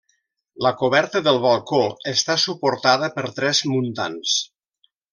La coberta del balcó està suportada per tres muntants.